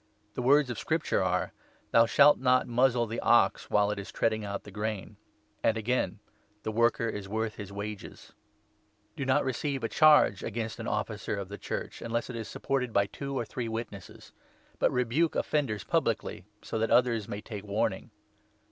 The words of Scripture are — 18 ' Thou shalt not muzzle the ox while it is treading out the grain,' and again —' The worker is worth his wages." 18 Deut. 25. 4. 412 I. TIMOTHY, 5—6. Do not receive a charge against an Officer of the Church, 19 unless it is supported by two or three witnesses; but rebuke 20 offenders publicly, so that others may take warning.